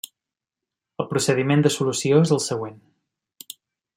El procediment de solució és el següent.